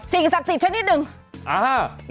สิ่งศักดิ์สิทธิ์ชนิดหนึ่ง